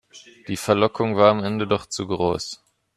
Die Verlockung war am Ende doch zu groß.